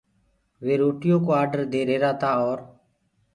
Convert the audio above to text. وي روٽيو ڪو آڊر دي ريهرآ تآ اور